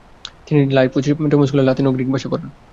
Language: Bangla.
তিনি লাইপ্ৎসিশ টোমাস স্কুলে লাতিন ও গ্রিক ভাষা পড়ান।